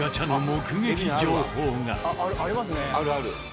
あるある。